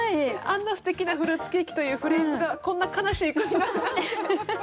あんなすてきな「フルーツケーキ」というフレーズがこんな悲しい句になるんですね。